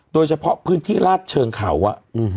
โดยเฉพาะพื้นที่ลาดเชิงเขาอ่ะ